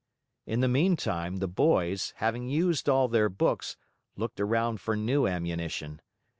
In the meantime, the boys, having used all their books, looked around for new ammunition.